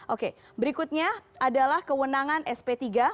oke berikutnya adalah kewenangan sp tiga